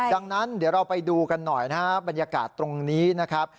ดังนั้นเดี๋ยวเราไปดูกันหน่อยนะครับบรรยากาศตรงนี้นะครับ